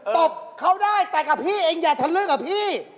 ตบเขาได้แต่กับพี่อย่าทันเรื่องกับพี่